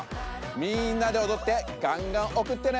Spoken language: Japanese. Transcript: みんなでおどってがんがんおくってね！